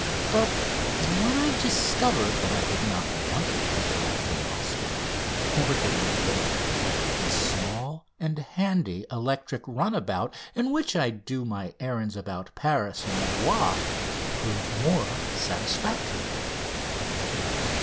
But when I discovered that I did not want to go to Moscow or to Lisbon the small and handy electric runabout in which I do my errands about Paris and the Bois proved more satisfactory.